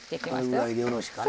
これぐらいでよろしかな。